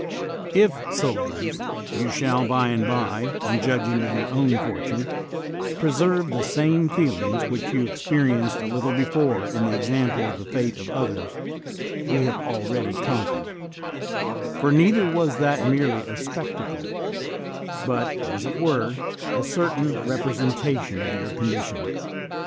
If, soldiers, you shall by and by, in judging of your own fortune, preserve the same feelings which you experienced a little before in the example of the fate of others, we have already conquered; for neither was that merely a spec tacle, but, as it were, a certain representation of your condition.